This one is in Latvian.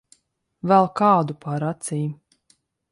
Velk ādu pār acīm.